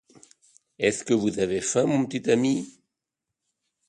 Est-ce que vous avez faim, mon petit ami?